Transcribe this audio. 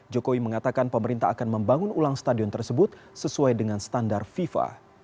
jokowi mengatakan pemerintah akan membangun ulang stadion tersebut sesuai dengan standar fifa